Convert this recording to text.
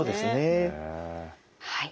はい。